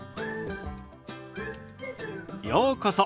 ようこそ。